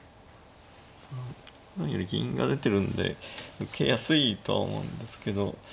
銀が出てるんで受けやすいとは思うんですけど。